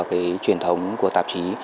cái truyền thống của tạp chí